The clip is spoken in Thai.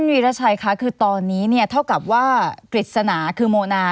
วีรชัยคะคือตอนนี้เนี่ยเท่ากับว่ากฤษณาคือโมนา